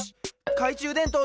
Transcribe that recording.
かいちゅうでんとうよし！